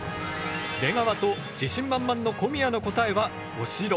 出川と自信満々の小宮の答えは「おしろ」。